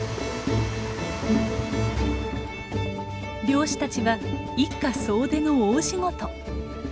漁師たちは一家総出の大仕事。